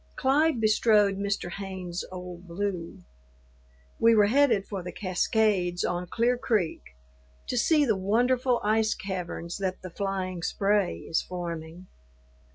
Clyde bestrode Mr. Haynes's Old Blue. We were headed for the cascades on Clear Creek, to see the wonderful ice caverns that the flying spray is forming.